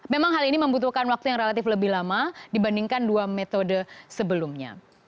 memang hal ini membutuhkan waktu yang relatif lebih lama dibandingkan dua metode sebelumnya